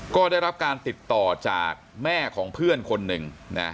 ก็ได้รับการติดต่อจากแม่ของเพื่อนคนหนึ่งนะ